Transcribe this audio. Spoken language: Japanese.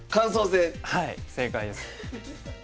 はい正解です。